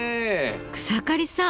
草刈さん